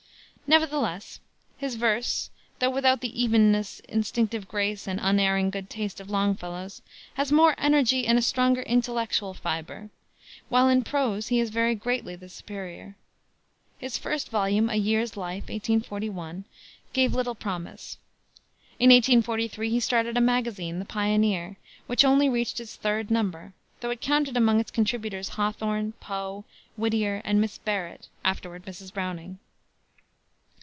Nevertheless his verse, though without the evenness, instinctive grace, and unerring good taste of Longfellow's, has more energy and a stronger intellectual fiber; while in prose he is very greatly the superior. His first volume, A Year's Life, 1841, gave little promise. In 1843 he started a magazine, the Pioneer, which only reached its third number, though it counted among its contributors Hawthorne, Poe, Whittier, and Miss Barrett (afterward Mrs. Browning).